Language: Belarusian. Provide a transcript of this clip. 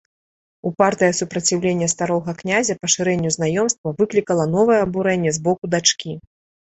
Упартае супраціўленне старога князя пашырэнню знаёмства выклікала новае абурэнне з боку дачкі.